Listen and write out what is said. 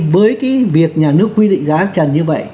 với cái việc nhà nước quy định giá trần như vậy